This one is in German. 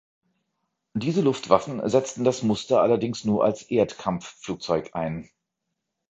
Diese Luftwaffen setzten das Muster allerdings nur als Erdkampfflugzeug ein.